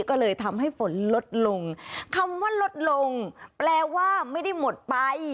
ก็เลยทำให้ฝนลดลงคำว่าลดลงแปลว่าไม่ได้หมดไป